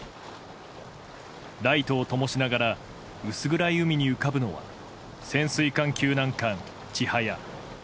ライトをともしながら薄暗い海に浮かぶのは潜水艦救難艦「ちはや」。